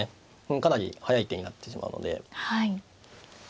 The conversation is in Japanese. かなり速い手になってしまうので。